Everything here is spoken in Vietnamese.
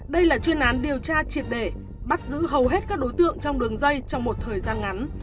đây là chuyên án điều tra triệt để bắt giữ hầu hết các đối tượng trong đường dây trong một thời gian ngắn